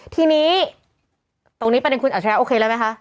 ทีนี้ตรงนี้ประเด็นคุณอัจฉริยะโอเคแล้วไหมคะ